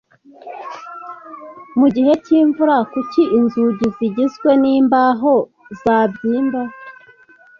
Mugihe cyimvura kuki inzugi zigizwe nimbaho zabyimba